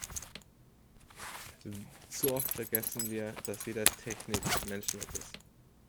Zu oft vergessen wir, dass jede Technik Menschenwerk ist.